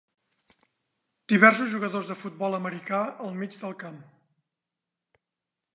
Diversos jugadors de futbol americà al mig del camp